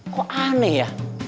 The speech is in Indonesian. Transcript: kok aneh ya